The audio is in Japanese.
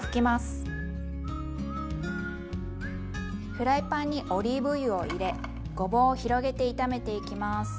フライパンにオリーブ油を入れごぼうを広げて炒めていきます。